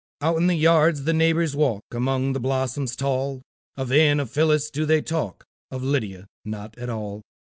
Out in their yards the neighbors walk, Among the blossoms tall; Of Anne, of Phyllis, do they talk, Of Lydia not at all.